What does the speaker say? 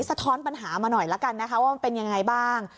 สะท้อนปัญหามาหน่อยละกันนะคะว่ามันเป็นยังไงบ้าง